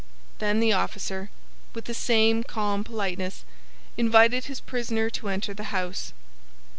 Then the officer, with the same calm politeness, invited his prisoner to enter the house.